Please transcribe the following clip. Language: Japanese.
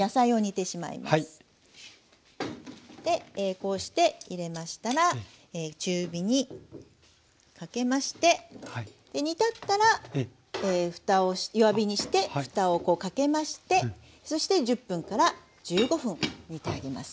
こうして入れましたら中火にかけまして煮立ったら弱火にしてふたをこうかけましてそして１０分から１５分煮てあげます。